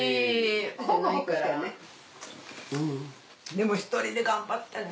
でも１人で頑張ってね